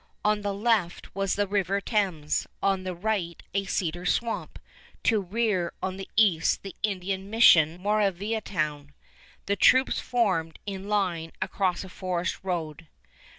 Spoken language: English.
On the left was the river Thames, on the right a cedar swamp, to rear on the east the Indian mission of Moraviantown. The troops formed in line across a forest road.